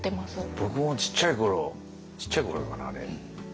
僕もちっちゃいころちっちゃいころかなあれ。